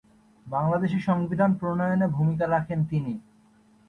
বাংলাদেশের সংবিধান প্রণয়নে ভূমিকা রাখেন তিনি।